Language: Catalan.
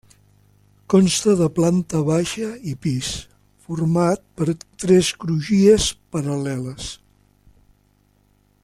Consta de planta baixa i pis, format per tres crugies paral·leles.